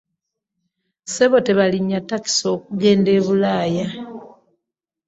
Ssebo tebalinya takisi okugenda ebulaaya .